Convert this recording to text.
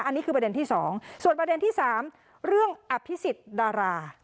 อันนี้คือประเด็นที่๒ส่วนประเด็นที่๓เรื่องอภิษฎารา